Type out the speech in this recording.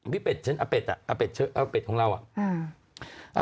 พี่เป็ดเช่นอเป็ดอเป็ดของเรา